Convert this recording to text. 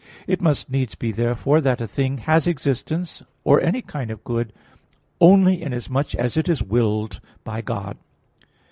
It must needs be, therefore, that a thing has existence, or any kind of good, only inasmuch as it is willed by God.